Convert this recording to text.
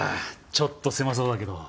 ちょっと狭そうだけど。